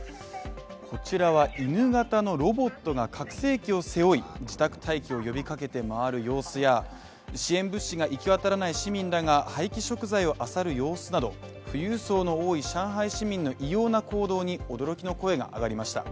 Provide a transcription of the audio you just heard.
こちらは犬型のロボットが拡声器を背負い、自宅待機を呼びかけて回る様子や支援物資が行き渡らない市民らが廃棄食材をあさる様子など富裕層の多い上海市民の異様な行動に驚きの声が上がりました。